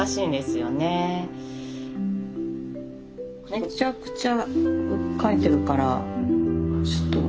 めちゃくちゃ書いてるからちょっと。